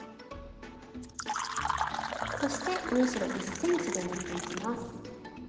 そして縫い代１ｃｍで縫っていきます。